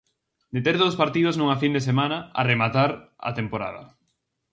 De ter dous partidos nunha fin de semana a rematar a temporada.